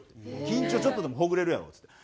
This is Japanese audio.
「緊張ちょっとでもほぐれるやろ」っつって。